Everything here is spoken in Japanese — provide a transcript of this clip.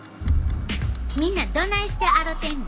みんなどないして洗てんの？